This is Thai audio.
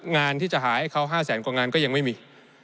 งานที่จะหาให้เขา๕๐๐๐๐๐บาทก็ยังไม่มี